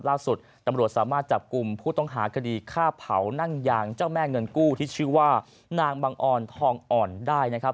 ล่าสุดตำรวจสามารถจับกลุ่มผู้ต้องหาคดีฆ่าเผานั่งยางเจ้าแม่เงินกู้ที่ชื่อว่านางบังออนทองอ่อนได้นะครับ